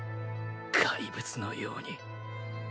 怪物のように